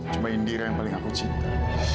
cuma indira yang paling aku cinta